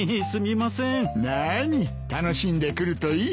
何楽しんでくるといい。